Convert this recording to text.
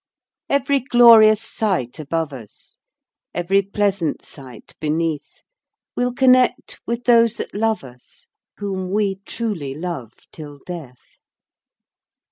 Every glorious sight above us, Every pleasant sight beneath, We'll connect with those that love us, Whom we truly love till death!